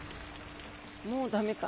もう駄目か。